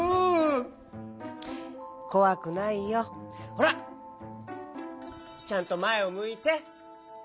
ほらちゃんとまえをむいて。